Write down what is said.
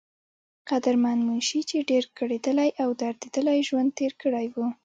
قدرمند منشي، چې ډېر کړېدلے او درديدلے ژوند تير کړے وو